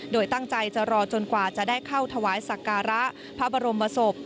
โดยตั้งใจจะรอจนกว่าจะได้เข้าถวายสักการะพระบรมศพ